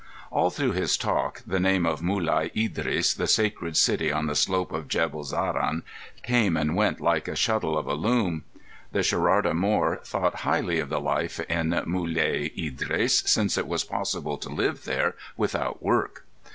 All through his talk the name of Mulai Idris, the sacred city on the slope of Jebel Zarhon, came and went like a shuttle of a loom. The Sherarda Moor thought highly of the life in Mulai Idris, since it was possible to live there without work.